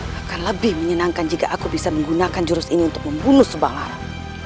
bahkan lebih menyenangkan jika aku bisa menggunakan jurus ini untuk membunuh subang lara